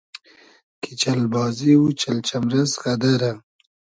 کی چئل بازی و چئل چئمرئس غئدئرۂ